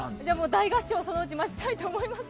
大合唱をそのうち、待ちたいと思います。